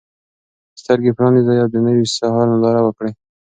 سترګې پرانیزه او د نوي سهار ننداره وکړه.